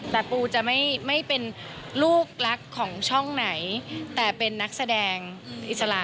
แต่ปูจะไม่เป็นลูกรักของช่องไหนแต่เป็นนักแสดงอิสระ